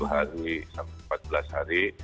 sepuluh hari sampai empat belas hari